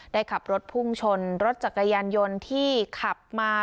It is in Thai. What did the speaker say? ขับรถพุ่งชนรถจักรยานยนต์ที่ขับมา